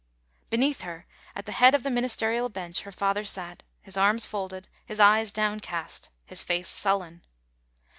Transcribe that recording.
Beneath her, at the head of the Ministerial bench, her father sat, his arms folded, his eyes downcast, his face sullen.